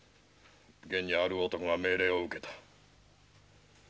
現にある男が命令を受けた。